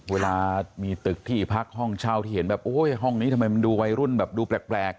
เวลามีตึกที่พักห้องเช่าที่เห็นแบบโอ้ยห้องนี้ทำไมมันดูวัยรุ่นแบบดูแปลก